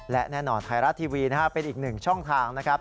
และแน่นอนไทยรัฐทีวีเป็นอีกหนึ่งช่องทางนะครับ